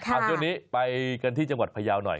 เอาช่วงนี้ไปกันที่จังหวัดพยาวหน่อย